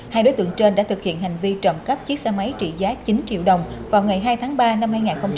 hai đối tượng trên đã thực hiện hành vi trầm cấp chiếc xe máy trị giá chín triệu đồng vào ngày hai tháng ba năm hai nghìn một mươi sáu